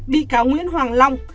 bị cáo nguyễn hoàng long